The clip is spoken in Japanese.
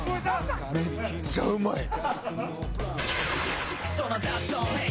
めっちゃうまい！